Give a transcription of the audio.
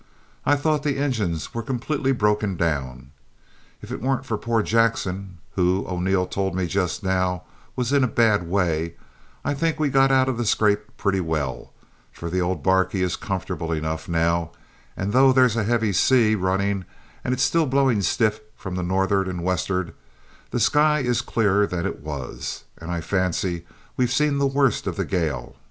"I thought the engines were completely broken down. If it weren't for poor Jackson, who, O'Neil told me just now, was in a bad way, I think we'd got out of the scrape pretty well, for the old barquey is comfortable enough now, and, though there's a heavy sea running and it is still blowing stiff from the north'ard and the west'ard, the sky is clearer than it was, and I fancy we've seen the worst of the gale, eh?"